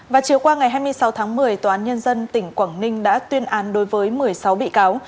và chiều qua ngày hai mươi sáu tháng một mươi tòa án nhân dân tỉnh quảng ninh đã tuyên án đối với một mươi sáu bị cáo